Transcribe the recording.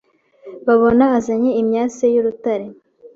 babona azanye imyase y' urutare